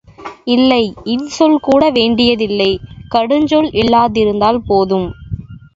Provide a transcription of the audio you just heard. இல்லை இன்சொல்கூட வேண்டியதில்லை கடுஞ்சொல் இல்லாதிருந்தால் போதும்.